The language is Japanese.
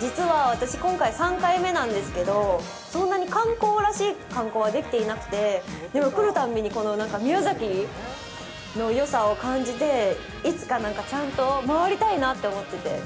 実は私、今回、３回目なんですけど、そんなに観光らしい観光はできていなくて、でも、来るたんびにこの宮崎のよさを感じて、いつかちゃんと回りたいなって思ってて。